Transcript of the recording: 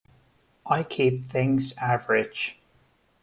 I keep things average.